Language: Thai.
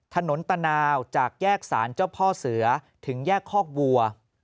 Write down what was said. ถนนตะนาวจากแยกสารเจ้าพ่อเสือถึงแยกคอกบัว